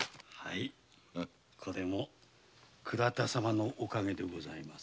これも倉田様のお陰でございます。